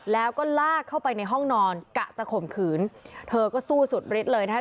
แล้วก็ลากเข้าไปในห้องนอนกะจะข่มขืนเธอก็สู้สุดฤทธิ์เลยนะคะ